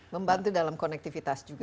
membantu dalam konektivitas juga